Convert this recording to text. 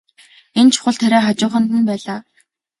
Энэ чухал тариа хажууханд нь байлаа.